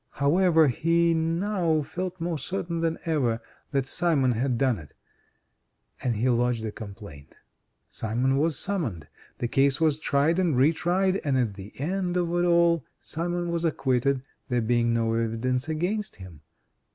However' he now felt more certain than ever that Simon had done it, and he lodged a complaint. Simon was summoned. The case was tried, and re tried, and at the end of it all Simon was acquitted, there being no evidence against him.